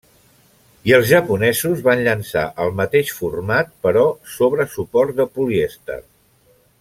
I els japonesos van llançar el mateix format però sobre suport de polièster.